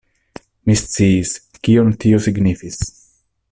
Mi sciis, kion tio signifis.